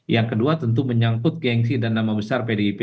yang kedua tentu menyangkut gengsi dan nama besar pdip